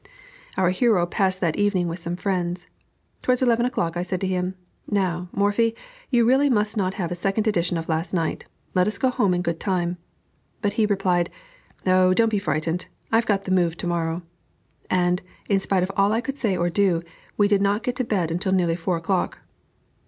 Our hero passed that evening with some friends. Towards eleven o'clock I said to him, "Now, Morphy, you really must not have a second edition of last night; let us get home in good time;" but he replied, "Oh, don't be frightened, I've got the move to morrow;" and, in spite of all I could say or do, we did not get to bed until nearly four o'clock.